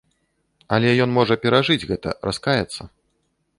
Але ён жа можа перажыць гэта, раскаяцца.